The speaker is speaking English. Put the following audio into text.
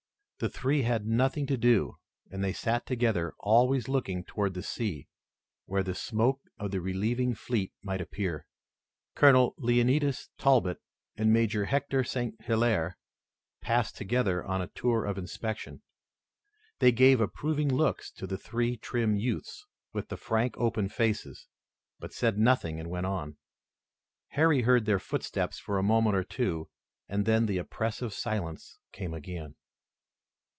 The three had nothing to do and they sat together, always looking toward the sea where the smoke of the relieving fleet might appear. Colonel Leonidas Talbot and Major Hector St. Hilaire passed together on a tour of inspection. They gave approving looks to the three trim youths, with the frank open faces, but said nothing and went on. Harry heard their footsteps for a moment or two, and then the oppressive silence came again.